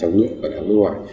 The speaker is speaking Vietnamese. trong nước và đoàn nước ngoài